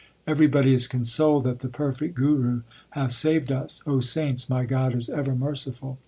Everybody is consoled That the perfect Guru hath saved us. saints, my God is ever merciful.